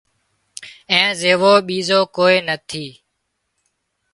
اين زيوو ٻيزو ڪوئي نٿِي